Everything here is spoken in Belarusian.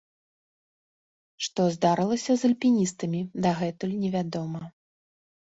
Што здарылася з альпіністамі, дагэтуль невядома.